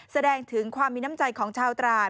แสดงถึงความมีน้ำใจของชาวตราด